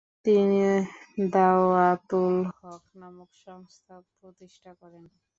তিনি দাওয়াতুল হক নামক সংস্থা প্রতিষ্ঠা করেন।